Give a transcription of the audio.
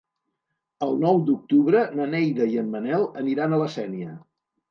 El nou d'octubre na Neida i en Manel aniran a la Sénia.